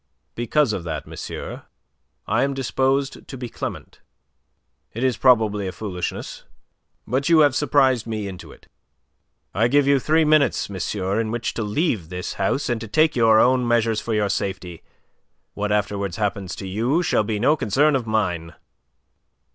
"Because of that, monsieur, I am disposed to be clement. It is probably a foolishness. But you have surprised me into it. I give you three minutes, monsieur, in which to leave this house, and to take your own measures for your safety. What afterwards happens to you shall be no concern of mine."